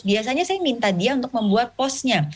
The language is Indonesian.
biasanya saya minta dia untuk membuat posnya